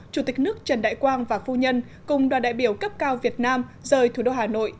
chủ tịch nước trần đại quang và phu nhân cùng đoàn đại biểu cấp cao việt nam rời thủ đô hà nội